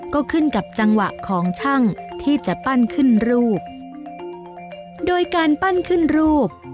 ก็ขึ้นกับจังหวะของช่างที่จะปั้นขึ้นรูปโดยการปั้นขึ้นรูป